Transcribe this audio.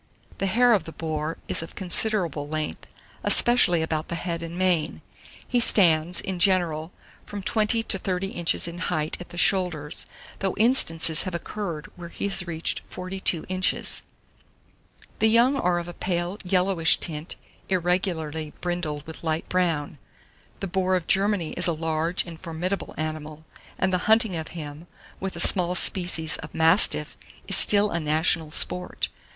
The hair of the boar is of considerable length, especially about the head and mane; he stands, in general, from 20 to 30 inches in height at the shoulders, though instances have occurred where he has reached 42 inches. The young are of a pale yellowish tint, irregularly brindled with light brown. The boar of Germany is a large and formidable animal, and the hunting of him, with a small species of mastiff, is still a national sport.